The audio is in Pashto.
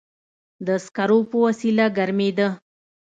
د سکرو په وسیله ګرمېده.